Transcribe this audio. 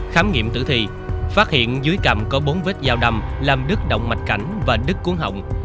khám nghiệm tử thi phát hiện dưới cầm có bốn vết dao đầm làm đứt động mạch cảnh và đứt cuốn hồng